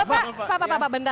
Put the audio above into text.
pak pak pak bentar bentar